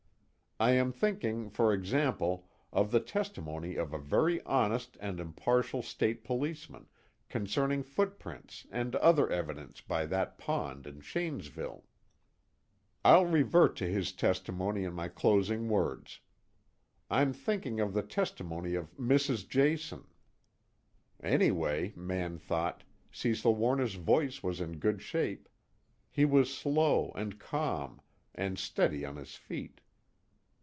I am thinking, for example, of the testimony of a very honest and impartial State policeman, concerning footprints and other evidence by that pond in Shanesville. I'll revert to his testimony in my closing words. I'm thinking of the testimony of Mrs. Jason." Anyway, Mann thought, Cecil Warner's voice was in good shape; he was slow, and calm, and steady on his feet.